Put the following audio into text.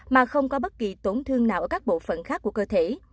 mà không có bất kỳ tổn thương nào ở các bộ phận khác của cơ thể